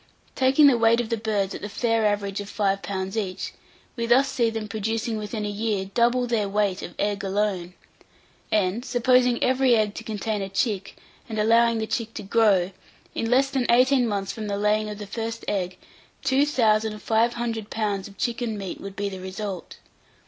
Taking the weight of the birds at the fair average of five pounds each, we thus see them producing within a year double their weight of egg alone; and, supposing every egg to contain a chick, and allowing the chick to, grow, in less than eighteen months from the laying of the first egg, two thousand five hundred pounds of chicken meat would be the result.